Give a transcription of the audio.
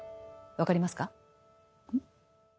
分かりますか？